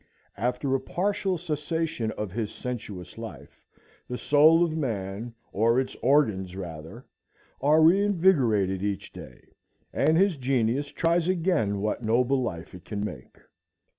After a partial cessation of his sensuous life, the soul of man, or its organs rather, are reinvigorated each day, and his Genius tries again what noble life it can make.